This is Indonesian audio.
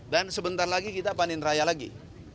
dan sebentar lagi kita panin raya lagi